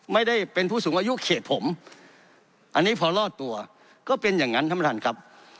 ไม่ได้เป็นผู้สูงอายุเขตผมอันนี้พอรอดตัวก็เป็นอย่างนั้นท่านประธานครับ